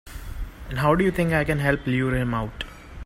And how do you think I can help lure him out?